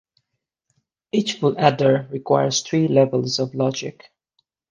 Each full adder requires three levels of logic.